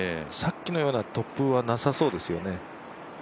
さっきのような突風はなさそうですよね。